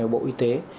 bộ y tế